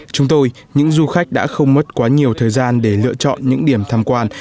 chúng tôi những du khách đã không mất quá nhiều thời gian để lựa chọn những điểm tham quan